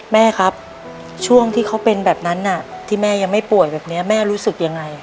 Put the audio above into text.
แม่ครับช่วงที่เขาเป็นแบบนั้นที่แม่ยังไม่ป่วยแบบนี้แม่รู้สึกยังไง